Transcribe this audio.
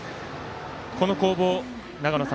この攻防、長野さん